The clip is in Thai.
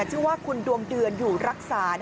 ชื่อว่าคุณดวงเดือนอยู่รักษา